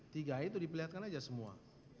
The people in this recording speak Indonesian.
tiga itu diperlihatkan aja semua